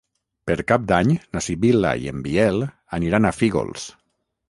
Per Cap d'Any na Sibil·la i en Biel aniran a Fígols.